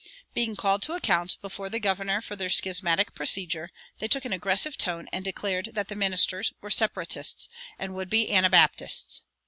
Being called to account before the governor for their schismatic procedure, they took an aggressive tone and declared that the ministers, "were Separatists, and would be Anabaptists."